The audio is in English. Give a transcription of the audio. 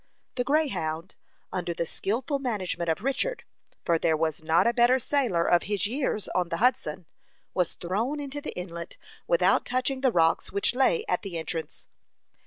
The Greyhound, under the skilful management of Richard, for there was not a better sailor of his years on the Hudson, was thrown into the inlet without touching the rocks which lay at the entrance.